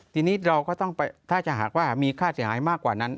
ทีนี้เราก็ต้องไปถ้าจะหากว่ามีค่าเสียหายมากกว่านั้น